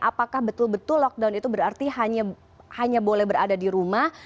apakah betul betul lockdown itu berarti hanya boleh berada di rumah